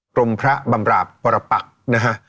กรมพระบำราบปรปักนะฮะ